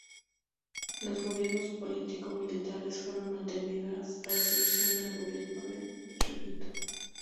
Los gobiernos político militares fueron mantenidos a excepción del gobierno de Chucuito.